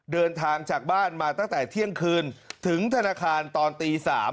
เดินทางจากบ้านมาตั้งแต่เที่ยงคืนถึงธนาคารตอนตี๓